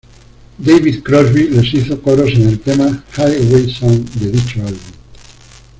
David Crosby les hizo coros en el tema "Highway Song" de dicho álbum.